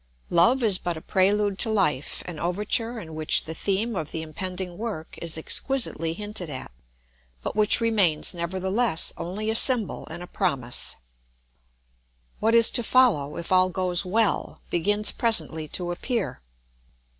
] Love is but a prelude to life, an overture in which the theme of the impending work is exquisitely hinted at, but which remains nevertheless only a symbol and a promise. What is to follow, if all goes well, begins presently to appear.